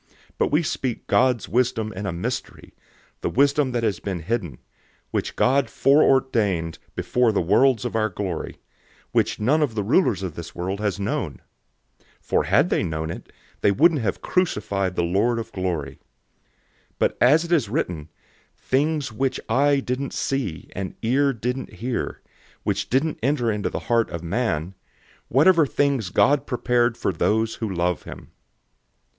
002:007 But we speak God's wisdom in a mystery, the wisdom that has been hidden, which God foreordained before the worlds for our glory, 002:008 which none of the rulers of this world has known. For had they known it, they wouldn't have crucified the Lord of glory. 002:009 But as it is written, "Things which an eye didn't see, and an ear didn't hear, which didn't enter into the heart of man, these God has prepared for those who love him."